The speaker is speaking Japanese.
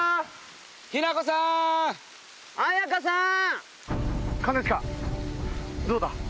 日奈子さん！彩花さん！